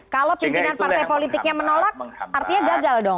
kalau pimpinan partai politiknya menolak artinya gagal dong